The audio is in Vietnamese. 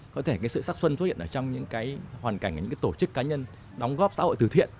có thể cái sự sắc xuân xuất hiện ở trong những cái hoàn cảnh của những cái tổ chức cá nhân đóng góp xã hội từ thiện